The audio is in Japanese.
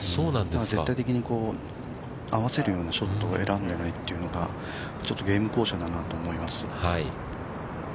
◆全体的に合わせるようなショットを選んでないというのがちょっとゲーム巧者だなと思います。